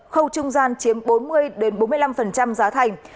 khâu trung gian chiếm bốn mươi bốn mươi năm giá thành